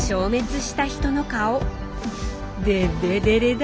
デッレデレだ。